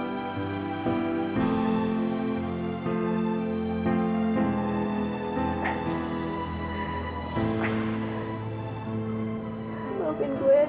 sampai kapanpun yoga bakal mungkin mau mawar